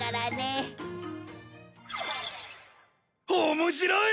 面白い！